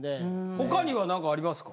他には何かありますか？